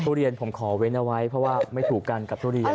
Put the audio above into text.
ทเรียนผมขอเว้นเอาไว้เพราะว่าไม่ถูกกันกับทุเรียน